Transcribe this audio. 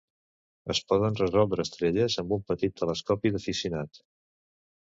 Es poden resoldre estrelles amb un petit telescopi d'aficionat.